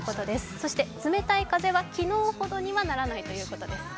そして、冷たい風は昨日ほどにはならないということです。